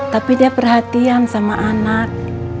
tapi dia perhatian sama anak